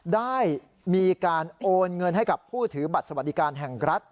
ได้มีการโอนเงินให้กับผู้ถือบัตรสวัสดิการแห่งรัฐ